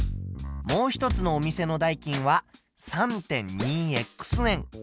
もう一つのお店の代金は３．２円。